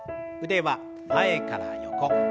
腕は前から横。